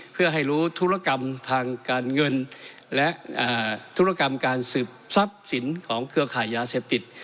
เพื่อให้รู้ธุรกรรมทางการเงินและธุรกรรมการสืบทรัพย์สินของเครือข่ายยาเสพติด